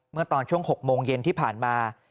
เมื่อตอนช่วง๖โมงเย็นที่ผ่านมา